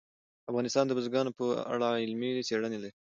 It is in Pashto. افغانستان د بزګانو په اړه علمي څېړنې لري.